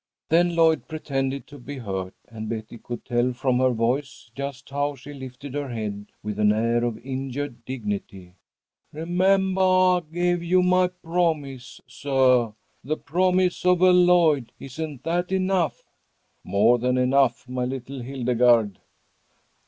Then Lloyd pretended to be hurt, and Betty could tell from her voice just how she lifted her head with an air of injured dignity. "Remembah I gave you my promise, suh, the promise of a Lloyd. Isn't that enough?" "More than enough, my little Hildegarde."